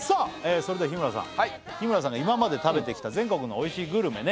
それでは日村さんはい日村さんが今まで食べてきた全国の美味しいグルメね